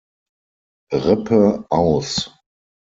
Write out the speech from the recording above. Rippe aus.